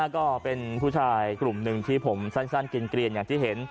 ก็เป็นผู้ชายกลุ่มหนึ่งที่ผมสั้นกินเกลียนอย่างที่เห็น